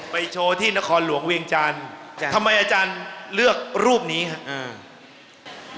โชว์ที่นครหลวงเวียงจันทร์ทำไมอาจารย์เลือกรูปนี้ครับ